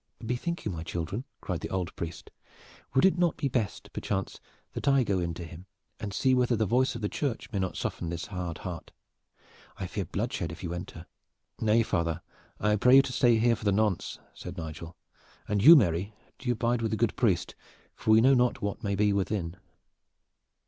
"Bethink you, my children," cried the old priest, "would it not be best perchance, that I go in to him and see whether the voice of the Church may not soften this hard heart? I fear bloodshed if you enter." "Nay, father, I pray you to stay here for the nonce," said Nigel. "And you, Mary, do you bide with the good priest, for we know not what may be within."